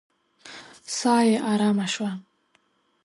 ساه يې آرامه شوه.